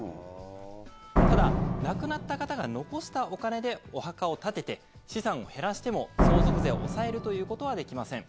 ただ、亡くなった方が残したお金でお墓を建てて、資産を減らしても相続税を抑えるということはできません。